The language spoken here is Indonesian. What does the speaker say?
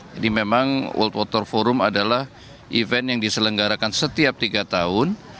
jadi memang world water forum adalah event yang diselenggarakan setiap tiga tahun